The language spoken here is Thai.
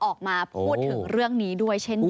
ออกมาพูดถึงเรื่องนี้ด้วยเช่นกัน